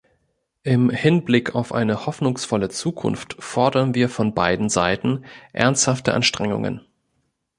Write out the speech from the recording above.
Im Hinblick auf eine hoffnungsvolle Zukunft fordern wir von beiden Seiten ernsthafte Anstrengungen.